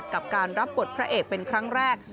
กับการรับบทพระเอกเป็นครั้งแรก